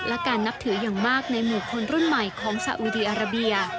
และการนับถืออย่างมากในหมู่คนรุ่นใหม่ของสาอุดีอาราเบีย